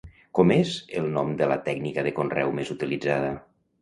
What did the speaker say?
Com és el nom de la tècnica de conreu més utilitzada?